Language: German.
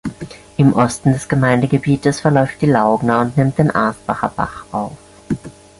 Im Osten des Gemeindegebietes verläuft die Laugna und nimmt den Asbacher Bach auf.